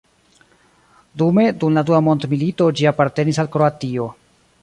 Dume dum la Dua Mondmilito ĝi apartenis al Kroatio.